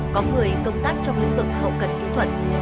có người công tác trong lĩnh vực hậu cần kỹ thuật